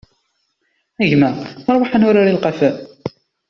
A gma, ṛwaḥ ad nurar ileqqafen!